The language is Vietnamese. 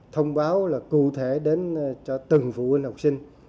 thông báo là cụ thể đến cho từng phụ huynh học sinh